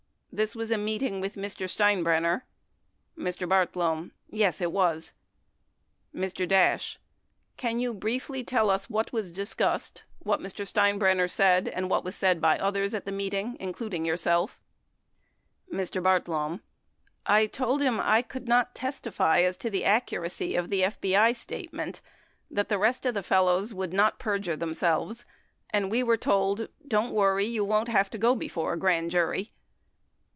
This was a meeting with Mr. Steinbrenner? Mr. Bartlome. Yes, it was. Mr. Dash. Can you briefly tell us what was discussed, what Mr. Steinbrenner said and' what was said by others at the meeting, including voiu*self ? Mr. Bartlome. I told him I could not testify as to the ac curacy of the FBI statement ; that the rest of the fellows would not perjure themselves, and we were told: "Don't worry, you won't have to go before the grand jury."